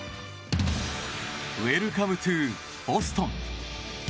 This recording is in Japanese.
ウェルカムトゥーボストン。